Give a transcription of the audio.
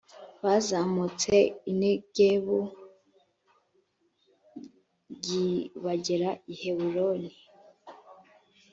bazamutse i negebu g bagera i heburoni